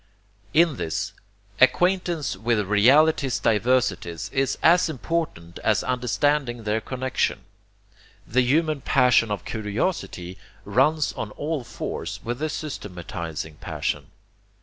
] In this, acquaintance with reality's diversities is as important as understanding their connexion. The human passion of curiosity runs on all fours with the systematizing passion.